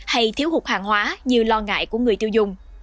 hay thiếu hụt hàng hóa như lo ngại của người tiêu dùng